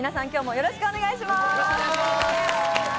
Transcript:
よろしくお願いします。